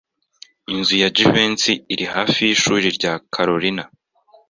Inzu ya Jivency iri hafi y'ishuri rya Kalorina.